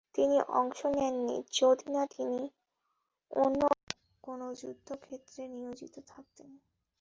তিনি অংশ নেননি, যদি না তিনি অন্য কোনো যুদ্ধক্ষেত্রে নিয়োজিত থাকতেন।